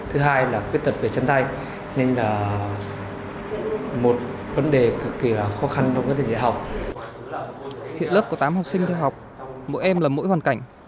hiện lớp có tám học sinh theo học mỗi em là mỗi hoàn cảnh